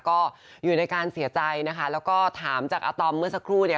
ก็อยู่ในการเสียใจนะคะแล้วก็ถามจากอาตอมเมื่อสักครู่เนี่ย